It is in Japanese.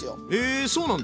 えそうなんだ。